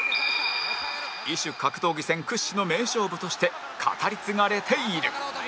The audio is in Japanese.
異種格闘技戦屈指の名勝負として語り継がれている